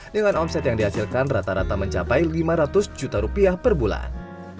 dengan omset yang dihasilkan rata rata mencapai lima ratus juta rupiah per bulan